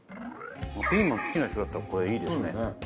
ピーマン好きな人だったらこれいいですね。